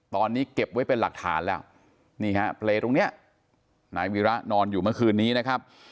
ตอนนี้เก็บไว้เป็นหลักฐานแล้วนี่ฮะเปรย์ตรงนี้นายวีระนอนอยู่เมื่อคืนนี้นะครับ